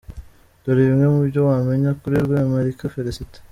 Dore bimwe mu byo wamenya kuri Rwemarika Felicite:.